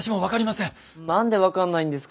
何で分かんないんですか？